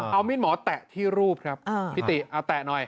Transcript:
เอามีดหมอแตะที่รูปครับพี่ติเอาแตะหน่อย